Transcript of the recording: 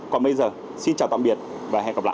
còn bây giờ xin chào tạm biệt và hẹn gặp lại